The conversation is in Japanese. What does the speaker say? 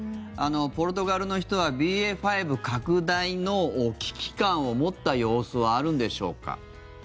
ポルトガルの人はＢＡ．５拡大の危機感を持った様子はあるんでしょうか。